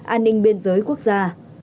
an ninh biên giới quốc gia